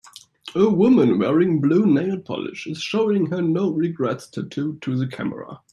A woman wearing blue nail polish is showing her no regrets tattoo to the camera.